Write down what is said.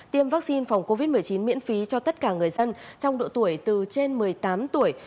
tiêm vaccine phòng covid một mươi chín miễn phí cho tất cả người dân trong độ tuổi từ trên một mươi tám tuổi